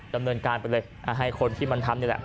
ดำเนินการไปเลยให้คนที่มันทำนี่แหละ